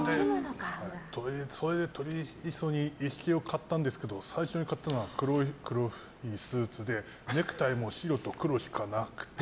それで、取り急ぎ一式を買ったんですけど最初に買ったのが黒いスーツでネクタイも白と黒しかなくて。